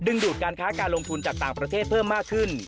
ดูดการค้าการลงทุนจากต่างประเทศเพิ่มมากขึ้น